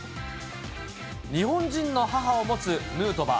日本人の母を持つヌートバー。